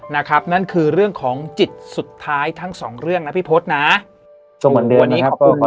นะครับนั่นคือเรื่องของจิตสุดท้ายทั้งสองเรื่องนะพี่พศนะตรงเหมือนเดิมนะครับ